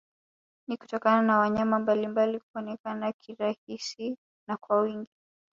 Ni kutokana na wanyama mbalimbali kuonekana kirahisi na kwa wingi